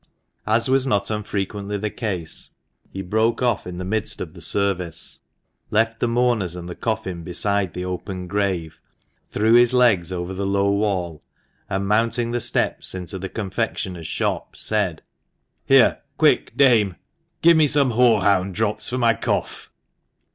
As was not unfrequently the case, he broke off in the midst of the service, left the mourners and the coffin beside the open THE MANCHESTER MAN. 61 grave, threw his legs over the low wall, and, mounting the steps into the confectioner's shop, said: " Here, quick, dame ? Give me some horehound drops for my cough."